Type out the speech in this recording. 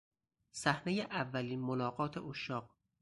صحنهی اولین ملاقات عشاق